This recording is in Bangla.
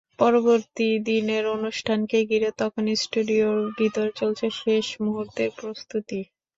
পরবর্তী দিনের অনুষ্ঠানকে ঘিরে তখন স্টুডিওর ভেতরে চলছে শেষ মুহূর্তের প্রস্তুতি।